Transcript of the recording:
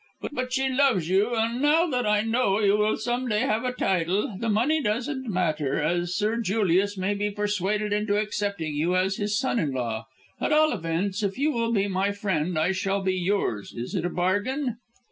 But she loves you, and now that I know you will some day have a title, the money doesn't matter, as Sir Julius may be persuaded into accepting you as his son in law. At all events, if you will be my friend I shall be yours. Is it a bargain?"